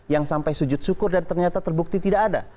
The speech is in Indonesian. yang sampai sujud syukur dan ternyata terbukti tidak ada